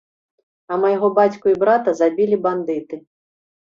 А майго бацьку і брата забілі бандыты.